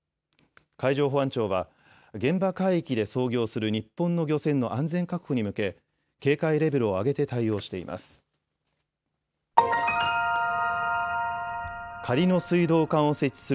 海上保安庁は現場海域で操業する日本の漁船の安全確保に向け警戒レベルを上げて対応しています。